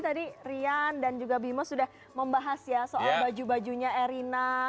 tadi rian dan juga bima sudah membahas ya soal baju bajunya erina